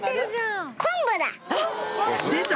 出た！